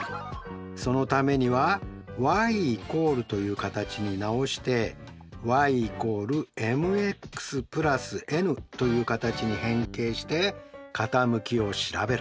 そのためにはｙ＝という形に直してｙ＝ｍｘ＋ｎという形に変形して傾きを調べる。